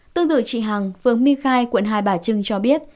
tương tự chị hằng phương minh khai quận hai bà trưng cho biết